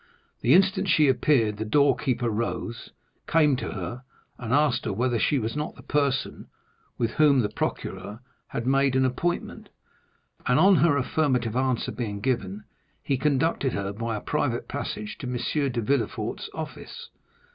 The instant she appeared the door keeper rose, came to her, and asked her whether she was not the person with whom the procureur had made an appointment; and on her affirmative answer being given, he conducted her by a private passage to M. de Villefort's office.